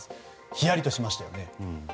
ひやりとしましたよね。